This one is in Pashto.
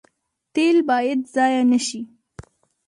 تیل باید ضایع نشي